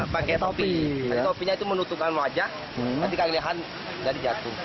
pakai topi topinya itu menutupkan wajah nanti kalian jadi jatuh